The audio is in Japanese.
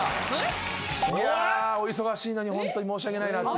いやお忙しいのにホントに申し訳ないなっていう。